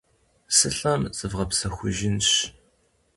Сылӏэм зывгъэпсэхужынщ.